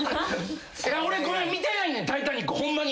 俺ごめん見てないねん『タイタニック』ホンマに。